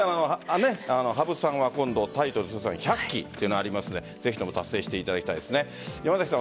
羽生さんは今度タイトル通算１００期がありますので、ぜひとも達成していただきたいです。